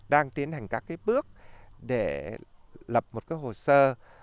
đang tiến hành các cái bước để lập một cái hồ sơ